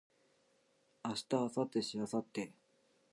明日明後日しあさって